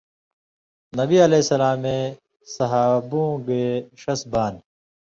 نبی علیہ سلامے صحابؤں گے ݜس بانیۡ